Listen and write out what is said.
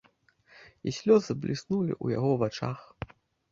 І слёзы бліснулі ў яго вачах.